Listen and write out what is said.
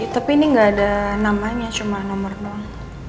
tapi ini gak ada namanya cuma nomor doang